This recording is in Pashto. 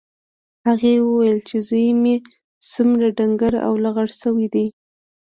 هغې وویل چې زوی مې څومره ډنګر او لاغر شوی دی